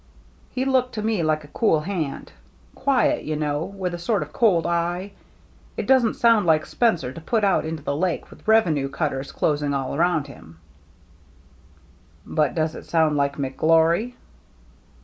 He looked to me like a cool hand. Quiet, you know, with a sort of cold eye. It doesn't sound like Spencer to put out into the Lake with revenue cutters closing in all around him." " But does it sound like McGlory